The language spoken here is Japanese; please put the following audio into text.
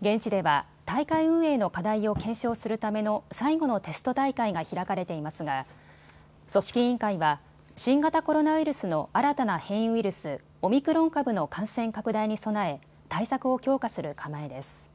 現地では大会運営の課題を検証するための最後のテスト大会が開かれていますが組織委員会は新型コロナウイルスの新たな変異ウイルス、オミクロン株の感染拡大に備え対策を強化する構えです。